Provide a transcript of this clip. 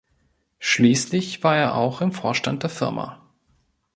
Schließlich war er auch im Vorstand der Firma.